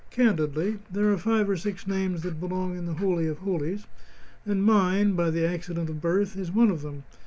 Candidly, there are five or six names that belong in the holy of holies, and mine, by the accident of birth, is one of them.